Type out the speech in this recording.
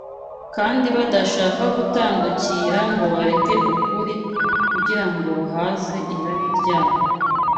kandi badashaka gutandukira ngo bareke ukuri kugira ngo bahaze irari ryabo.